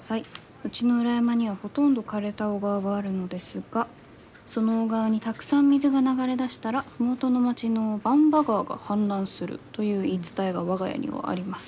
うちの裏山にはほとんど枯れた小川があるのですがその小川にたくさん水が流れ出したら麓の町の番場川が氾濫するという言い伝えが我が家にはあります」。